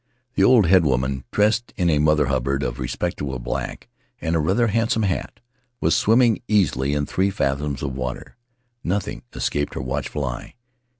The old headwoman, dressed in a Mother Hubbard of respectable black and a rather handsome hat, was swimming easily in three fathoms of water; nothing escaped her watchful eye.